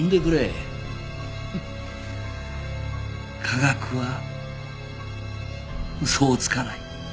科学は嘘をつかない。